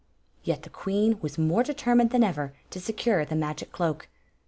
Yet the queen was more determined than ever to secure the magic cloak.